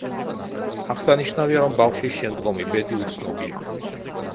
აღსანიშნავია, რომ ბავშვის შემდგომი ბედი უცნობია.